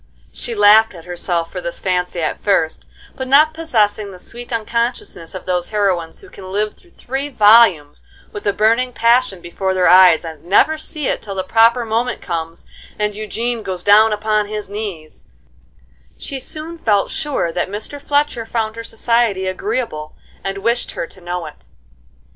She laughed at herself for this fancy at first; but not possessing the sweet unconsciousness of those heroines who can live through three volumes with a burning passion before their eyes, and never see it till the proper moment comes, and Eugene goes down upon his knees, she soon felt sure that Mr. Fletcher found her society agreeable, and wished her to know it.